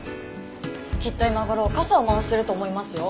きっと今頃傘を回してると思いますよ。